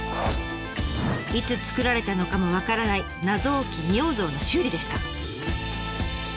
いつ作られたのかも分からない謎多き仁王像の修理でした。